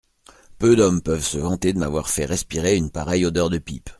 Peu d'hommes peuvent se vanter de m'avoir fait respirer une pareille odeur de pipe.